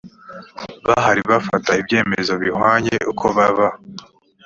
bahari bafata ibyemezo bihamye uko baba